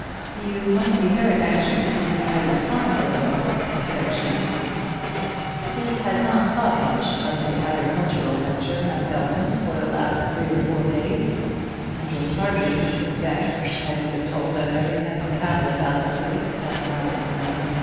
"You must be very anxious to see how your farm goes on," said she. He had not thought much of his agricultural venture at Belton for the last three or four days, and would hardly have been vexed had he been told that every head of cattle about the place had died of the murrain.